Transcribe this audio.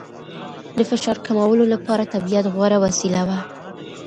د فشار کمولو لپاره طبیعت غوره وسیله ده.